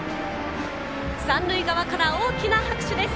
三塁側から大きな拍手です。